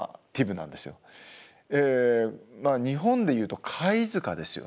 日本でいうと貝塚ですよね。